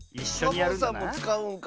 サボさんもつかうんか。